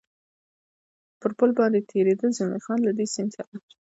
پر پل باندې تېرېده، زلمی خان: له دې سیند سره.